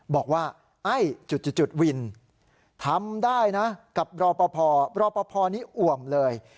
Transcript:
บอกว่าไอ้จุดวินทำได้นะกับรอปภรอปภนี้อ่วมเลย